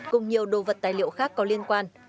cùng nhiều đồ vật tài liệu khác có liên quan